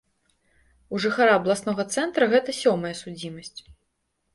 У жыхара абласнога цэнтра гэта сёмая судзімасць.